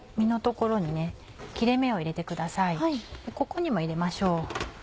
ここにも入れましょう。